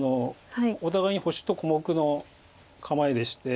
お互いに星と小目の構えでして。